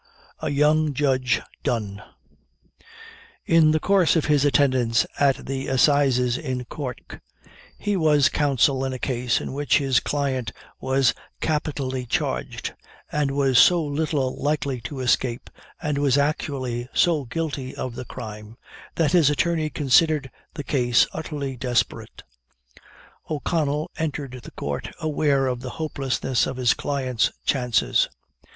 A YOUNG JUDGE DONE. In the course of his attendance at an Assizes in Cork, he was counsel in a case in which his client was capitally charged, and was so little likely to escape, and was actually so guilty of the crime, that his attorney considered the case utterly desperate. O'Connell entered the Court aware of the hopelessness of his client's chances.